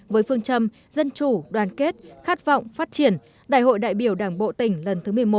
với phương châm dân chủ đoàn kết khát vọng phát triển đại hội đại biểu đảng bộ tỉnh lần thứ một mươi một